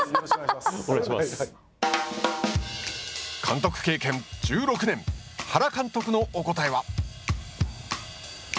監督経験１６年原監督のお答えは。